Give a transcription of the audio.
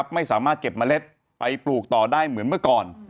ไม่สามารถเก็บเมล็ดไปปลูกต่อได้เหมือนเมื่อก่อน